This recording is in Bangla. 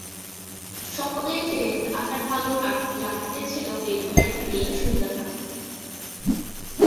সকলের চেয়ে তাহার ভালো লাগিতেছিল এ বাড়ির মেয়ে সুজাতাকে।